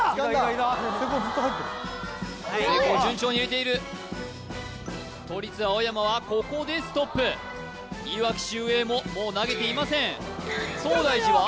ずっと入ってる聖光順調に入れている都立青山はここでストップいわき秀英ももう投げていません東大寺は？